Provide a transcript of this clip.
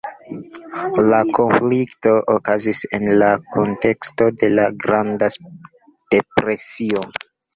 La konflikto okazis en la kunteksto de la Granda Depresio.